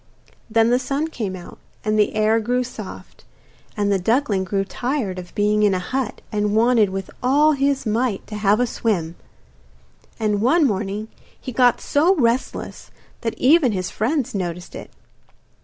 Then the sun came out, and the air grew soft, and the duckling grew tired of being in a hut, and wanted with all his might to have a swim. And one morning he got so restless that even his friends noticed it.